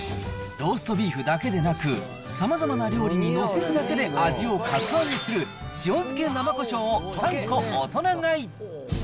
ローストビーフだけじゃなく、さまざまな料理に載せるだけで味を格上げする、塩漬け生こしょうを３個大人買い。